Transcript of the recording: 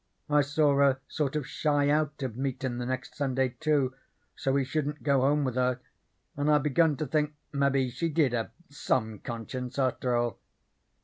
I saw her sort of shy out of meetin' the next Sunday, too, so he shouldn't go home with her, and I begun to think mebbe she did have some conscience after all.